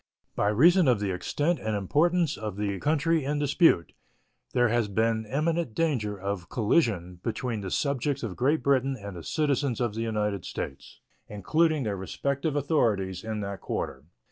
By reason of the extent and importance of the country in dispute, there has been imminent danger of collision between the subjects of Great Britain and the citizens of the United States, including their respective authorities, in that quarter.